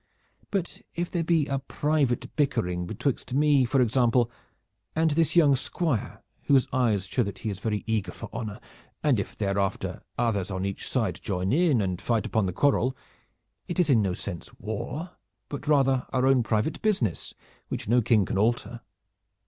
But if there be a private bickering betwixt me, for example, and this young squire whose eyes show that he is very eager for honor, and if thereafter others on each side join in and fight upon the quarrel, it is in no sense war, but rather our own private business which no king can alter."